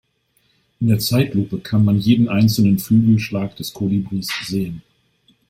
In der Zeitlupe kann man jeden einzelnen Flügelschlag des Kolibris sehen.